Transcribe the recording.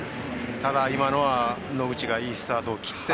ただ、今のは野口がいいスタート切って。